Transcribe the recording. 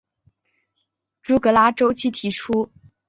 朱格拉周期提出。